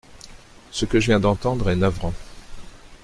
Ce que je viens d’entendre est navrant.